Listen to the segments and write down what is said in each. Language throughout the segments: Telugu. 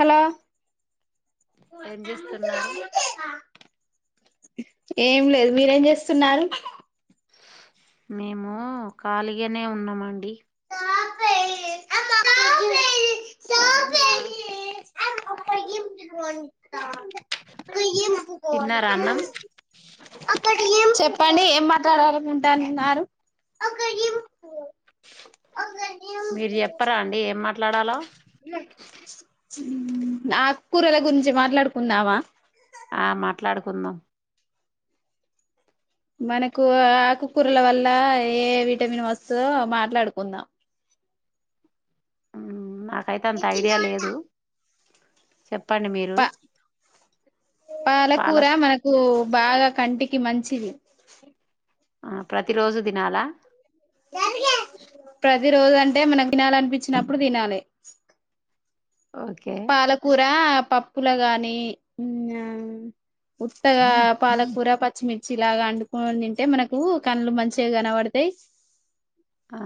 హలో ఏం చేస్తున్నారు ఏం లేదు మీరేం చేస్తున్నారు మేము కాలిగానే ఉన్నమండి తిన్నారా అన్నం అక్కడం చెప్పండి ఏం మాట్లాడాలకుంటాన్నారు అ న మీరు చెప్పరా అండి ఏం మాట్లాడాలో ఆ కూరల గురించి మాట్లాడుకుందామా ఆ మాట్లాడుకుందాం మనకు ఆకుకూరల వల్ల ఏ విటమిన్ వస్తుందో మాట్లాడుకుందాం నాకైతే అంత ఐడియా లేదు చెప్ ప పాల పాలకూర మనకు బాగా కంటి ఇ మంచిది ఆ ప్రతి రోజు తినాలా ప్రతి రోజు అంటే మనం తినాలనిపించినప్పుడు తినాలి ఓకే పాలకూర పప్పుల గాని ఉట్టగా పాలకూర పచ్చిమి ర్చి లాగా వండుకొని తింటే మనకు కళ్ళు మంచిగా కనపడతాయి ఆ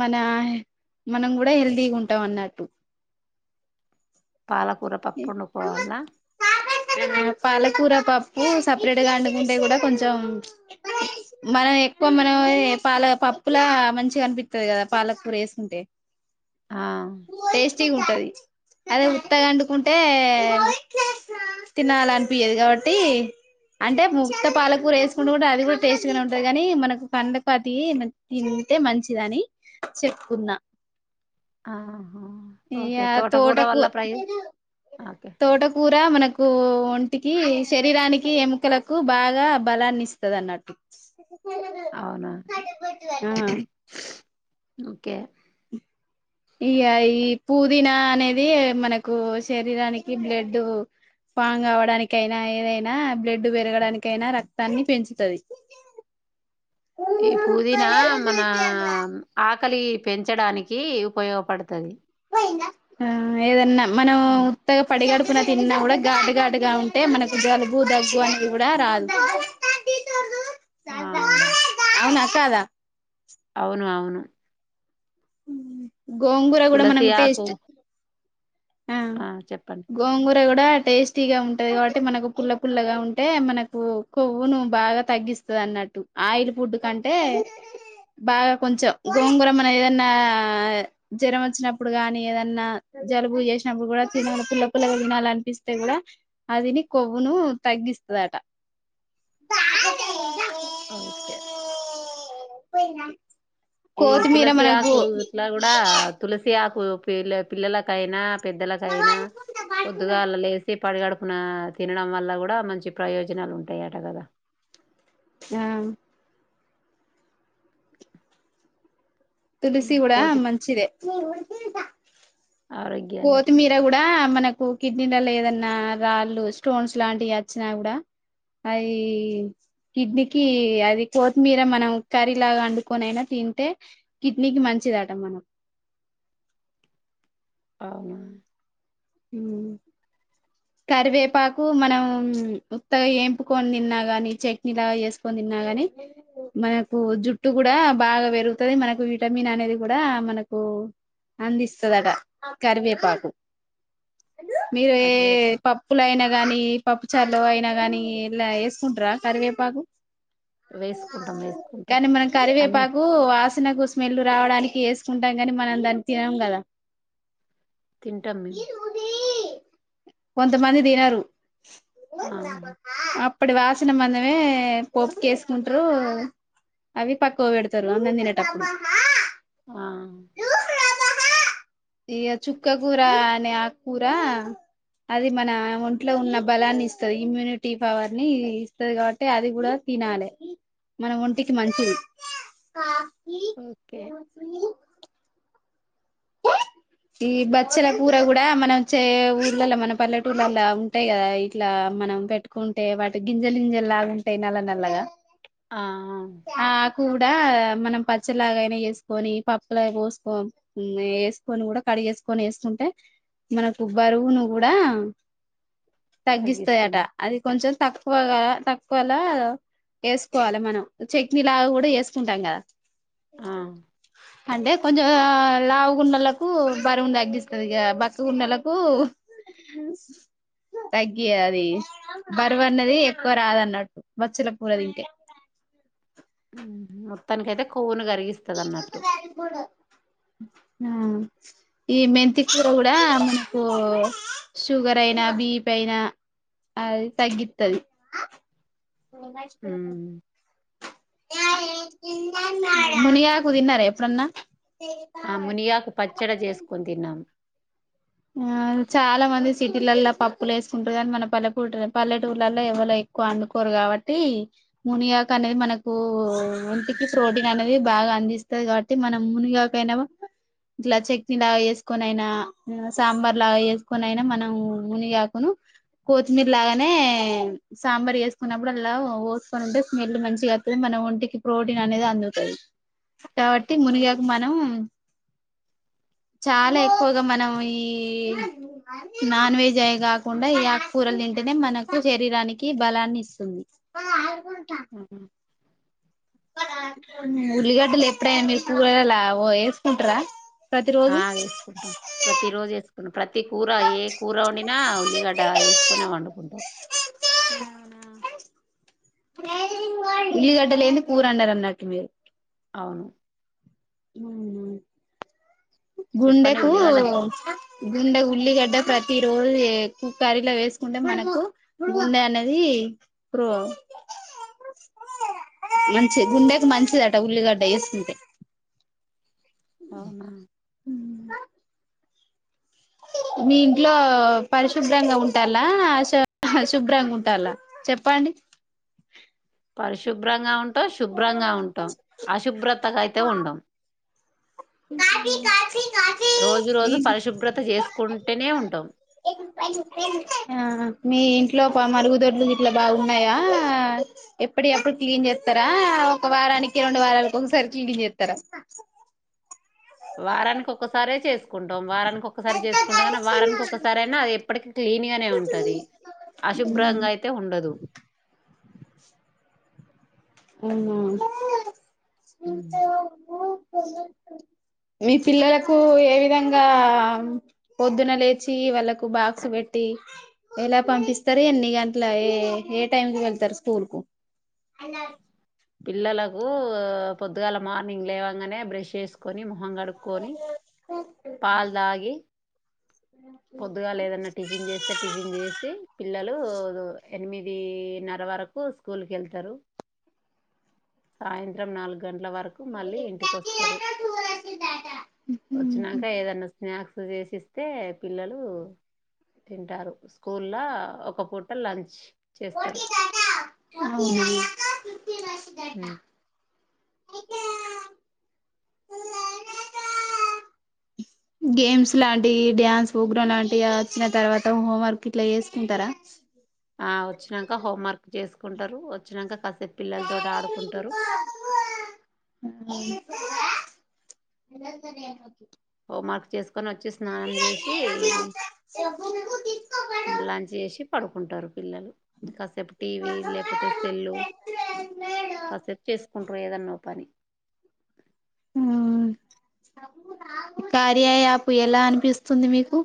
మన మనం కూడా హెల్తీగా ఉంటాం అన్నట్టు పాలకూర పప్పు వండుకోవాల పాలకూర పప్పు సపరేట్ గా వండుకుంటే కూడా కొంచెం చెం మనం ఎక్కువ మన పాల పప్పులా మంచిగా అనిపిత్తది కదా వాలక్ కూర్ వేసుంటే ఆ చి ఉంటది అదే ఉత్తగ అండుకుంటే తినాలనిపియదు కాబట్టి అంటే ముక్త పాలకూర వేసుకుంటూ కూడాంటే అది కూడా టేస్టీ గానే ఉంటది కాగానీ మనకు కందకాతి త అంటే మంచిదని చెప్పుకున్నా ఆహా ఓకే తో తోటకు తోటకు కూర మనకు ఒంటికి శరీరానికి ఎముకలకు బాగా బలాన్ని ఇస్తది అన్నట్టు అవునా ఆ ఓకే ఇగా ఈ పుదీనా అనేది మనకు శరీరానికి బ్లడ్ పాంగ్ అవడానికైనా ఏదైనా బ్లడ్ పెరగడానిక ఐనా రక్తాన్ని పెంచుతది ఈ పుదీనా మన ఆక్ క్కలి పెంచడానికి ఉపయోగపడుతది ఆ ఏదన్నా మనం అవును ఉత్తగా పడిగడు తప్పున తిన్న కూడా ఘాటు ఘాటుగా ఉంటే మనకు జలుబు దగ్గు అనిది కూడా రాదు ఆ అవునా కాదా అవును అవును గోంగూర కూడా తులసి మనకు ఆకు టేస్ట్ ఆ చెప్పండి గోంగూర కూడా టేస్టీ గా ఉంటది కాబట్టి మనకు పుల్ల పుల్లగా ఉంటే మనకు కొవ్వును బాగా తగ్గి స్త ట్టు ఆయిల్ ఫుడ్ కంటే బాగా కొంచెం గోంగురా మన ఏదన్నా న్నా జ్వరం వచ్చినప్పుడు గాని ఏదన్నా జలుబు చేసినప్పుడు కూడా తినలే పుల్ల పుల్ల అల అనిపిస్తే కూడా అదిని కొవ్వును తగ్గిస్తదట ఓకే పోయిందా ఈ తులసి ఆకు ఇట్లా కూడా తులసి ఆకు పిల్ల పిల్లలకైనా పెద్దలకైనా పొద్దుగాళ లేసి పడిగడుపున తినడం వల్ల కూడా మంచి ప్రయోజనాలు ఉంటాయట కదా ఆ తులసి ఉమ్, కూడా కోతి మంచిదే ఆరోగ్యానికి కోతిమీరా కూడా మనకూ పొ కిడ్నీల ల ఏదన్నా రాళ్ళు స్టోన్స్ లాంటివి వచ్చినా కూడా అది కిడ్నీకి అది కొత్తిమీర మనం కర్రీలాగా వండుకొని అయినా తింటే కిడ్నీకి మంచిదట మనం అవున ఊ కరివేపాకు మనం ముత్తగా ఏంపుకొని తిన్నా కాగాని చట్నీ లాగా వేసుకొని తిన గని మనకు జుట్టు కూడా బాగా పెరుగుతుంది మనకు విటమిన్ అనేది కూడా మన కు అందిస్తదట కరివేపాకు మీరు ఏ కరివేప పప్పులయినా గాని పప్పుచార్లు అయినా గాని ఇలా వేసుకుంటార కరివేపాకు వేసుకుంటాం వేసుకుంటాం కానీ మనం అన్ని కరివేపాకు వాస్ మనకూ స్మెల్లు రావడానికి వేసుకుంటాం కాని మనం దాన్ని తినం కదా తింటాం మేము కొంతమంది తినారు ఆ అప్ అప్పుడు వాసన మందమే పోప్పుకేసుకుంటారు అవి తక్కువ పెడతరు అన్నం తినేటప్పుడు ఆ ఇ చుక్క కూరానే ఆకు కూరా అది మన ఒంట్లో ఉన్న బలాన్ని ఇస్తుది ఇమ్యూనిటీ పవర్ ని ఇస్తుది కాబట్టి అది కూడా తినాలి మనం ఒంటికి మంచిది ఓకే ఈ బచ్చల కూర కూడా మనంచ్చ ఊర్లలో మన పల్లెటూళ్లలో ఉంటాయి కదా ఇట్లా మనం పెట్టుకుంటే వాటి గింజగింజ లాగాంటేయి నల్ల నల్లగా ఆ ఆ ఆ కూడా మనం పచ్చలాగైనా వేసుకొని పప్పులా పోసుక వేసుకొని కూడా క డి చేసుకొని వేసుకుంటే మనకు బరువును కూడా తగ్గిస్తాయట తగ్గిస్తుంది అది కొంచెం తక్కువగా తక్కువలా వేసుకోవాలి మనం చట్నీ లా కూడా వేసుకుంటాం కదా ఆ అంటే కొంచెం లావుగున్నెలకు బరువును తగ్గిస్తుంది ఇక బక్కగా ఉన్న వాళ్లకున హు తగ్గి అది బరువు అన్నది ఎక్కువ రాదన్నట్టు మచ్చల కూర తింటే మొత్తానినికి అతే కొవ్వును కరిగిస్తంది అన్నట్టు ఆ ఈ మెంతికూర కూడా మనకు షుగర్ అయినా మీ పైన అది తగ్గిస్తుది ఉమ్ నాప్ప మునిగాకు తిన్నారా ఎప్పుడన్నా ఆ మునియాకు పచ్చడి చేసుకుని తిన్నాం ఆ చాలా మంది సిటీలల్లో పప్పులు వేసుకుంటుంది అని మన పల్లెపూ పల్లెటూళ్లలో ఎవరు ఎక్కువ వండుకోరు కాబట్టి మునియాక అనేది మనకు ఇంటికి ప్రోటీన్ అనేది బాగా అందిస్తంది కాబట్టి మనం మునిగాకయినా ఇట్లా చట్నీ లాగా వేసుకొన అయినా సాంబార్ లాగా వేసుకొనియినా మనం మునిగాకును కొత్తిమీర లాగానే సాంబార్ వేసుకున్నప్పుడు అలా పోసుకొని ఉంటే స్మెల్ మంచిగా అతుంది మన ఒంటికి ప్రోటీన్ అనేది అందువుతుంది కాబట్టి ఓకే మునిగాక మనం చాలా ఎక్కువగా మనం ఈ నాన్ వెజ్ అవి కాకుండా ఈ ఆకుకూరలు నింటేనే మనకు శరీరానికి కి బలాన్ని ఇస్తుంది ఆహా ఉల్లిగడ్డలు ఎప్పుడైనా మీరు కూరలా వేసుకుంటారా ప్రతి రోజు ఆ వేసుకుంటాం ప్రతిరోజు చేసుకుంటాం ప్రతి కూర ఏ కూర వండినా ఉల్లిగడ్డ వేసుకొనే వండుకుంటాం ఉల్లిగడ్డ లేని కూర ఆదరన్నట్టు మీరు అవును హుహూ చెప్పండి గుండెకు ఉల్లిగడ్డ గుండె ఉల్లిగడ్డ ప్రతి ఈ రోజులు కు కర్రీలో వేసుకుంటే మనకు గుండె అన్నది మంచిది గుండెకి మంచిదిట ఉల్లిగడ్డ వేస్తుంటే అవున మీ ఇంట్లో పరిశుభ్రంగా ఉంటాలా అశు అ శుభ్రంగా ఉంటాలా చెప్పండి పరిశుభ్రంగా ఉంటాం శుభ్రంగా ఉంటాం అశుభ్రతగా అయితే ఉండం టి కా కా కుంటేనే ఉంటాం ఆ మీ ఇంట్లో మరుగుదొడ్లు ఇట్లా బాగున్నాయా ఎప్పుడు ఎప్పుడు క్లీన్ చేస్తారా ఒక వారానికి రెండు వారాలకు ఒకసారి క్లీన్ చేస్తారా అ సుకుంటాం వారానికి ఒకక్కసారి చేసుకుంటాం కానీ వారానికి ఒకక్కసారి అయినా అది ఎప్పటికిీ్లీన్ గానే ఉంటది అశుభ్రంగా అవునా అయితే ఉండదు అనా ఉమ్. మీ పిల్లలకు ఏ విధంగా పొద్దున లేచి వాళ్ళలకు బాక్స్ పెట్టి ఎలా పంపిస్తారు ఎన్ని గంటలయ ఏ టైం కి వెళ్తారు స్కూల్ కు పిల్లలకు పొద్దుగాల మార్నింగ్ లేవంగానే బ్రష్ చేసుకొని ము అంగడుకొని పాల్ దగి పొద్దుగా లేదన్న టిఫిన్ చేస్తే టిఫిన్ చేస్తసి పిల్లలు ఎనిమిదిన్నర వరకు స్కూల్కి వెళ్తారు సాయంత్రం నాలుగు గంటల వర్క్ కు మళ్ళీ ఇంటికి వస్తారు వచ్చినాక ఏదన్న స్నాక్స్ చేసిస్తే పిల్లలు తింటారు స్కూల్లో ఒక పూట లంచ్ చేస్తారు నా అ గేమ్స్ లాంటివి డ్యాన్స్ లాంటివి వచ్చిన తర్వాత హోంవర్క్ ఇట్లా చేసుకుంటారా ఆ వచ్చినాక హోం వర్క్ చేసుకుంటారు వచ్చినాక క అ పిల్లలతో ఆడుకుంటారు తను హోమ్ మార్క్ చేసుకు పక్కన వచ్చి స్నానం చేసి ఇది లంచ్ చేసి పడుకుంటారు పిల్లలు కాసేపు టీవీ లేకపోతే సెల్లు ఆ సెట్ చేసుకుంట్ర ఏదన్నో పని ఆ కార్య ఆప్ ఎలా అనిపిస్తుంది మీకు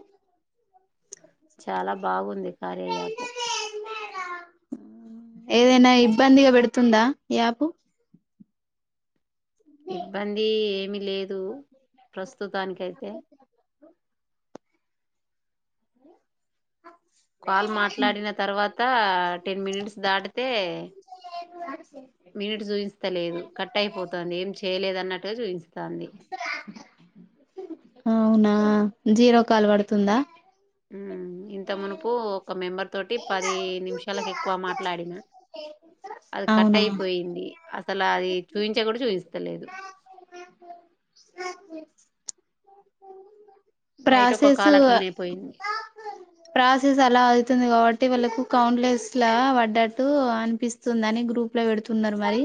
చాలా బాగుంది కార్యయాపు ఏదైనా ఇబ్బందిగా పెడుతుందా యాపు ఇబ్బంది ఏమిీ లేదు ప్రస్తుతానినికియితే కాల్ మాట్లాడిన తర్వాత టెన్ మినిట్స్ దాటితే మినిట్ చూయిస్తలేదు కట్ అయిపోతుంది ఏం చేయలేదన్నట్టుగా చూయితోంది అవునా జీరో కాలు పడుతుందా ఇంత మెంబర్ ఒక మెంబర్ తోటి పది నిమిషాలకు ఎక్కువ మాట్లాడినా అది కట్ అవునా అయిపోయింది అసలు అది చూపించా కూడా చూపిస్త నైట్ ఒక ప్రాసెస్ కాల్ అట్లనే పోయింది ప్రాసెస్ అలా అతుంది కాబట్టి వాళ్ళకు కౌంట్లస్ పడ్డట్టు అనిపిస్తుంది అని గ్రూప్ లో పెడుతున్నారు మరి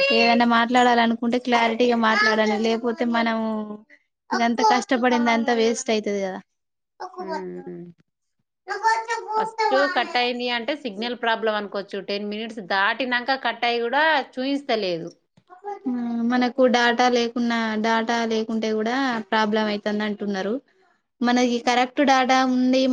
ఓకే ఏవైనా మాట్లాడాల అనుకుంటే క్లారిటీగా మాట్లాడాలి లేకపోతే మనము ఇ ఎంత కష్టపడింద అంత వేస్ట్ అయితుది కదా ఫస్ట్ కట్ అయింది అంటే సిగ్నల్ ప్రాబ్లమ్ అనుకోవచ్చు టెన్ మినిట్స్ దాటినాక కట్టాయి కూడా చూయిస్తలేదు ఆ మనకు డేటా లేకున్నా డేటా లేకుంటే కూడా ప్రాబ్లం అవుతుంది అంటున్నారు మనకి కరెక్ట్ డేటాఉంది మన